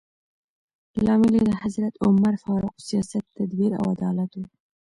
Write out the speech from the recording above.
لامل یې د حضرت عمر فاروق سیاست، تدبیر او عدالت و.